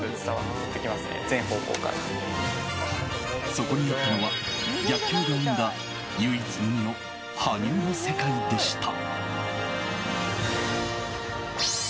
そこにあったのは逆境が生んだ唯一無二の羽生の世界でした。